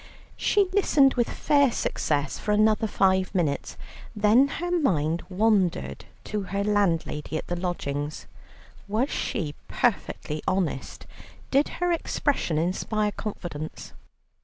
She listened with fair success for another five minutes, then her mind wandered to her landlady at the lodgings; was she perfectly honest, did her expression inspire confidence?